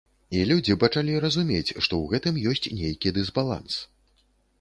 І людзі пачалі разумець, што ў гэтым ёсць нейкі дысбаланс.